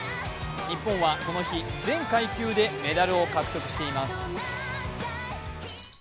日本はこの日、全階級でメダルを獲得しています。